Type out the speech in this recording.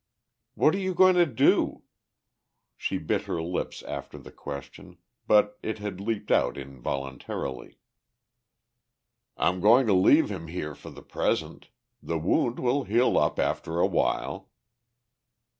"What are you going to do?" She bit her lips after the question, but it had leaped out involuntarily. "I'm going to leave him here for the present. The wound will heal up after a while."